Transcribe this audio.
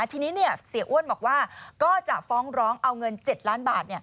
ทีนี้เสียอ้วนบอกว่าก็จะฟ้องร้องเอาเงิน๗ล้านบาท